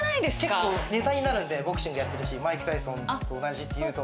結構ネタになるのでボクシングやってるしマイク・タイソンと同じって言うと。